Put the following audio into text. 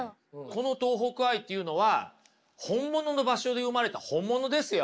この東北愛っていうのは本物の場所で生まれた本物ですよ。